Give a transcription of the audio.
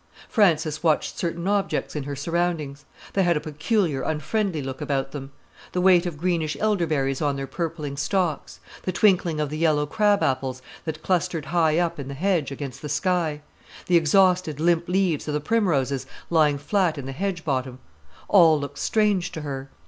Frances watched certain objects in her surroundings: they had a peculiar, unfriendly look about them: the weight of greenish elderberries on their purpling stalks; the twinkling of the yellowing crab apples that clustered high up in the hedge, against the sky: the exhausted, limp leaves of the primroses lying flat in the hedge bottom: all looked strange to her.